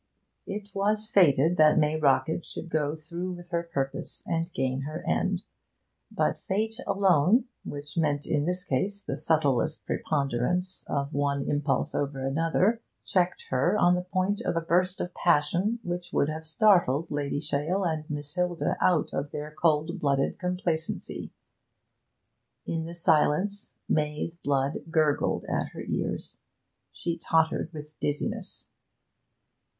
It was fated that May Rockett should go through with her purpose and gain her end. But fate alone (which meant in this case the subtlest preponderance of one impulse over another) checked her on the point of a burst of passion which would have startled Lady Shale and Miss Hilda out of their cold blooded complacency. In the silence May's blood gurgled at her ears, and she tottered with dizziness.